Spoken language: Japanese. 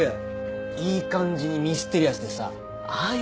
いい感じにミステリアスでさああ